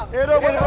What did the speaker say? hei biah kebun raka